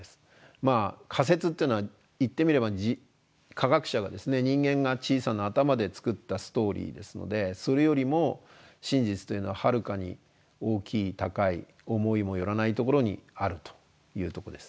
まあ仮説っていうのは言ってみれば科学者が人間が小さな頭で作ったストーリーですのでそれよりも真実というのははるかに大きい高い思いも寄らないところにあるというとこです。